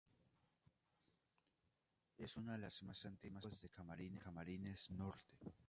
Es una de la más antiguas de Camarines Norte.